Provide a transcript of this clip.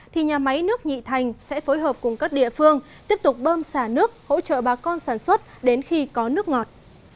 thì nhà máy nước nhị thành sẽ phối hợp cùng các địa phương tiếp tục bơm xả nước hỗ trợ bà con sản xuất đến khi có nước ngọt